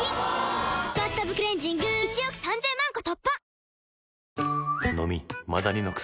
「バスタブクレンジング」１億３０００万個突破！